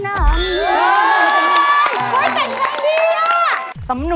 เต็มเงินดีอะ